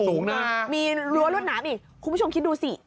สูงนะมีรั้วรวดหนามอีกคุณผู้ชมคิดดูสิ